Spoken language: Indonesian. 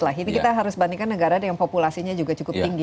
jadi kita harus bandingkan negara dengan populasinya juga cukup tinggi